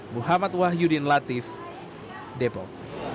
muhammad wahyudin latif depok